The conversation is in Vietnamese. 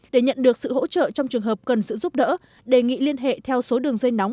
để nhận được sự hỗ trợ trong trường hợp cần sự giúp đỡ đề nghị liên hệ theo số đường dây nóng